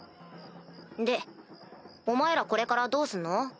でお前らこれからどうすんの？